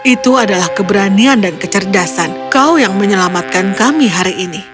itu adalah keberanian dan kecerdasan kau yang menyelamatkan kami hari ini